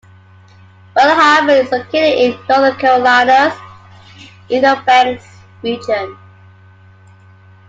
Belhaven is located in North Carolina's Inner Banks region.